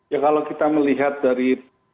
ya kalau kita melihat dari